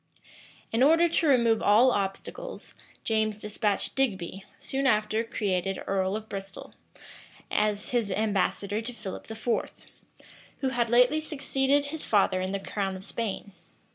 In order to remove all obstacles, James despatched Digby, soon after created earl of Bristol, as his ambassador to Philip IV., who had lately succeeded his father in the crown of Spain.